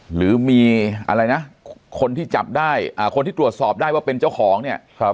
หรือมีอะไรนะคนที่จับได้คนที่ตรวจสอบได้ว่าเป็นเจ้าของเนี่ย